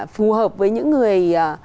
phù hợp với những người